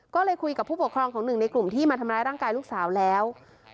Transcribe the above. ก็เลยคุยกับผู้ปกครองของหนึ่งในกลุ่มที่มาทำร้ายร่างกายลูกสาวแล้ว